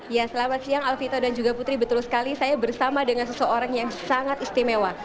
ya selamat siang alvito dan juga putri betul sekali saya bersama dengan seseorang yang sangat istimewa